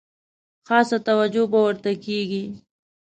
خاصه توجه به ورته کیږي.